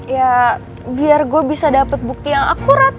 ya biar gue bisa dapat bukti yang akurat